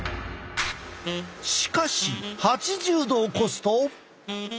しかし８０℃を超すと。